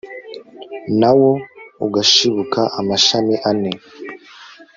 na wo ugashibuka amashami ane